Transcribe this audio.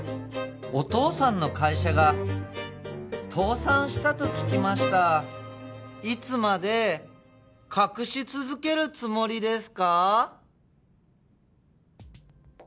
お父さんの会社が倒産したと聞きましたいつまで隠し続けるつもりですか？